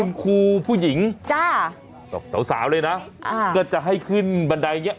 อุ้มครูผู้หญิงเจ้าสาวเลยนะก็จะให้ขึ้นบันไดนี้